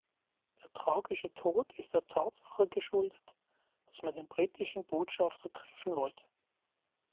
Der tragische Tod ist der Tatsache geschuldet, dass man den britischen Botschafter treffen wollte.